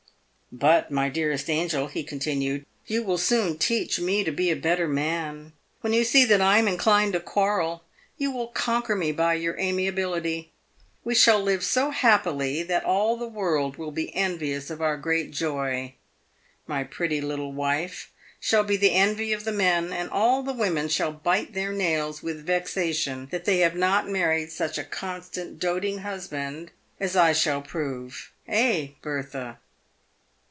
" But, my dearest angel," he continued, " you will soon teach me to be a better man. When you see that I am inclined to quarrel, you will conquer me by your amiability. We shall live so happily that all the world will be envious of our great joy. My pretty little wife shall be the envy of the men, and all the women shall bite their nails with vexation that they have not married such a constant, doting husband, as I shall prove— eh, Bertha